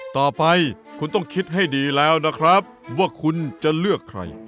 ต่อไปคุณต้องคิดให้ดีแล้วนะครับว่าคุณจะเลือกใคร